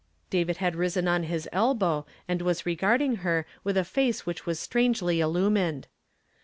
297 David had risen on his elbow, and was regarding her with a face which was strangely illumined.